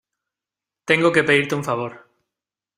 tengo que pedirte un favor.